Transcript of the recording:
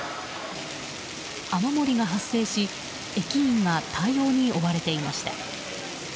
雨漏りが発生し駅員が対応に追われていました。